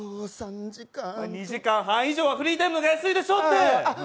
２時間半以上はフリータイムが安いでしょって。